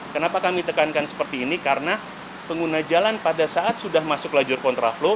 kenapa kami tekankan seperti ini karena pengguna jalan pada saat sudah masuk lajur kontraflow